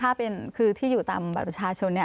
ถ้าเป็นดูที่อยู่ตามบากประชาชน